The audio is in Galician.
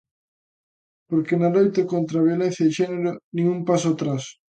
Porque na loita contra a violencia de xénero, nin un paso atrás.